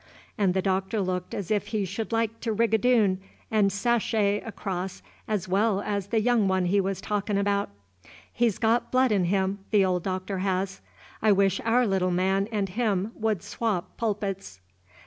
And the Doctor looked as if he should like to rigadoon and sashy across as well as the young one he was talkin' about. He 's got blood in him, the old Doctor has. I wish our little man and him would swop pulpits."